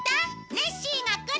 「ネッシーがくる」